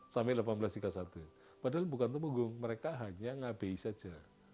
sampai seribu delapan ratus tiga puluh satu padahal bukan tumenggung mereka hanya ngabei saja